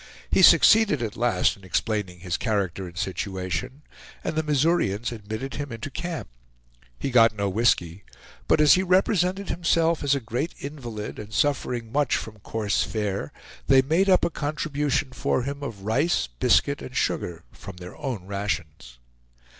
He succeeded at last in explaining his character and situation, and the Missourians admitted him into camp. He got no whisky; but as he represented himself as a great invalid, and suffering much from coarse fare, they made up a contribution for him of rice, biscuit, and sugar from their own rations.